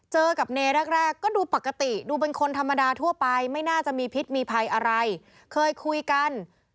เจอกับเนแรกก็ดูปกติดูเป็นคนธรรมดาทั่วไปไม่น่าจะมีพิษมีภัยอะไรเคยคุยกัน